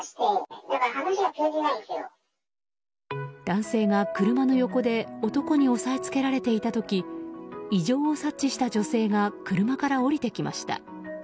男性が車の横で男に押さえつけられていた時異常を察知した女性が車から降りてきました。